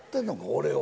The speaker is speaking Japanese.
俺を。